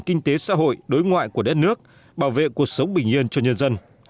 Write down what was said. kinh tế xã hội đối ngoại của đất nước bảo vệ cuộc sống bình yên cho nhân dân